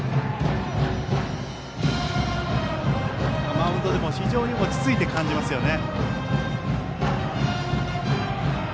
マウンドでも非常に落ち着いてるように感じますよね。